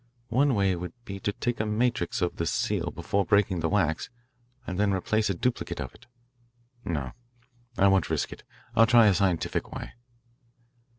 One way would be to take a matrix of the seal before breaking the wax and then replace a duplicate of it. No, I won't risk it. I'll try a scientific way."